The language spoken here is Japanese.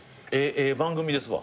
ええ番組ですわ。